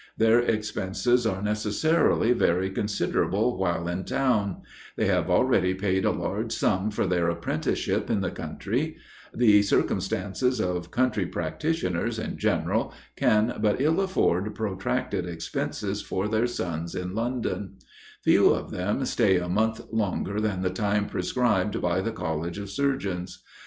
Their expenses are necessarily very considerable while in town; they have already paid a large sum for their apprenticeship in the country; the circumstances of country practitioners, in general, can but ill afford protracted expenses for their sons in London; few of them stay a month longer than the time prescribed by the College of Surgeons.